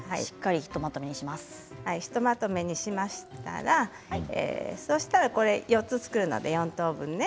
ひとまとめにしましたら４つ作るので４等分ね。